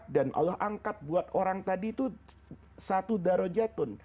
dan allah angkat buat orang tadi itu satu darajatun